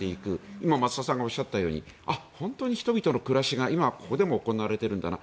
今、増田さんがおっしゃったように本当に人々の暮らしが今、ここでも行われているんだな。